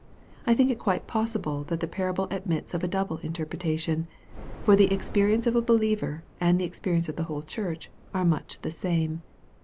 I think it quite possible that the parable ad mits of a double interpretation ; for the experience of a believer and the experience of the whole church, are much the same.